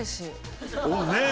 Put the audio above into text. ねえ。